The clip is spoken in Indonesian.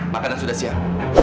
makanan sudah siap